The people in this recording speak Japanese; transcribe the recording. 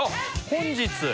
本日？